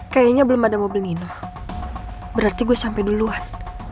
kaya nya belum ada mobil nino berarti gue sampe duluan